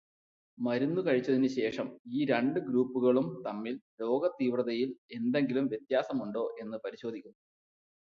മരുന്ന് കഴിച്ചതിനു ശേഷം ഈ രണ്ടു ഗ്രൂപ്പുകളും തമ്മിൽ രോഗതീവ്രതയില് എന്തെങ്കിലും വ്യത്യാസമുണ്ടോ എന്ന് പരിശോധിക്കുന്നു.